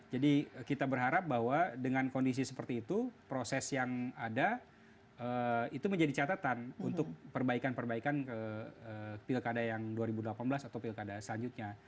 jadi kita berharap bahwa dengan kondisi seperti itu proses yang ada itu menjadi catatan untuk perbaikan perbaikan ke pilkada yang dua ribu delapan belas atau pilkada selanjutnya